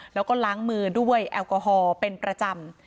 แล้วก็ล้างมือด้วยแอลกอฮอล์เป็นประจำ